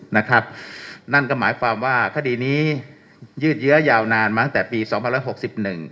นะครับนั่นก็หมายความว่าคดีนี้ยืดเยื้อยาวนานมาตั้งแต่ปีสองพันร้อยหกสิบหนึ่ง